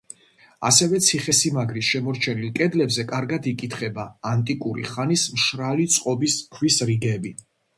ასევე ციხესიმაგრის შემორჩენილ კედლებზე კარგად იკითხება ანტიკური ხანის მშრალი წყობის ქვის რიგები.